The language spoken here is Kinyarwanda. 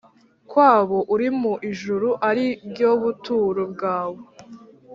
Kwabo uri mu ijuru ari ryo buturo bwawe